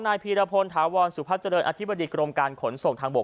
พีรพลถาวรสุพัฒนเจริญอธิบดีกรมการขนส่งทางบก